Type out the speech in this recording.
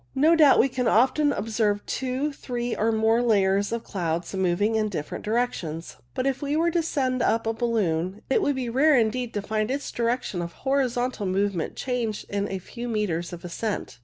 No doubt we can often observe two, three, or more layers of cloud moving in different directions ; but if we were to send up a balloon, it would be rare indeed to find its direction of horizontal movement changed in a few metres of ascent.